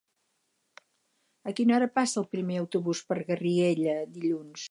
A quina hora passa el primer autobús per Garriguella dilluns?